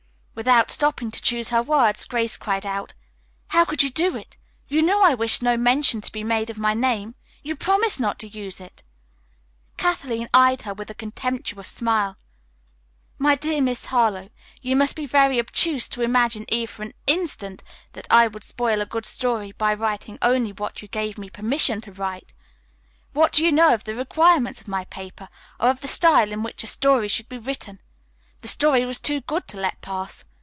Without stopping to choose her words, Grace cried out: "How could you do it? You knew I wished no mention to be made of my name. You promised not to use it." Kathleen eyed her with a contemptuous smile. "My dear Miss Harlowe, you must be very obtuse to imagine even for an instant that I would spoil a good story by writing only what you gave me permission to write. What do you know of the requirements of my paper, or of the style in which a story should be written? The story was too good to let pass.